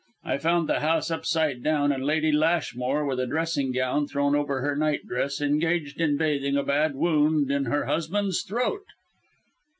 I found the house upside down, and Lady Lashmore, with a dressing gown thrown over her nightdress, engaged in bathing a bad wound in her husband's throat."